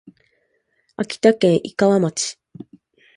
秋田県井川町